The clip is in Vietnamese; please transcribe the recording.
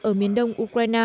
ở miền đông ukraine